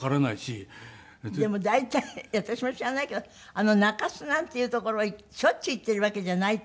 でも大体私も知らないけど中洲なんていう所へしょっちゅう行っているわけじゃないと。